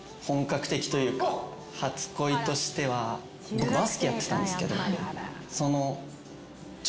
僕バスケやってたんですけどその女